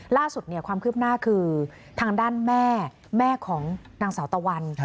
ล่าสุดความคืบหน้าคือทางด้านแม่แม่ของนางสาวตะวัน